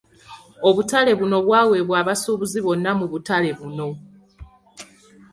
Obutale buno bwaweebwa abasuubuzi bonna mu butale buno.